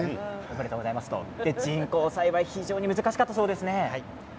人工栽培非常に難しかったそうですね。